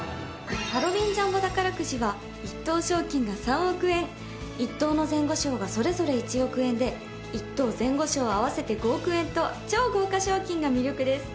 ハロウィンジャンボ宝くじは１等賞金が３億円１等の前後賞がそれぞれ１億円で１等前後賞合わせて５億円と超豪華賞金が魅力です。